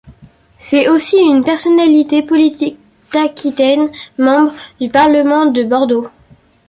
C'est aussi une personnalité politique d'Aquitaine, membre du parlement de Bordeaux.